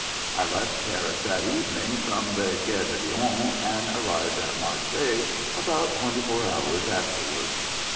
I left Paris that evening from the "Gare de Lyons," and arrived at Marseilles about twenty four hours afterwards.